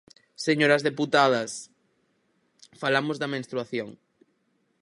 Señoras deputadas, falamos da menstruación.